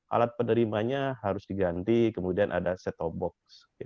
alat penerimanya harus diganti kemudian ada set top box